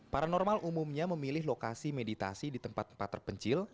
paranormal umumnya memilih lokasi meditasi di tempat tempat terpencil